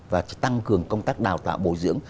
và tăng cường công tác đào tạo bồi dưỡng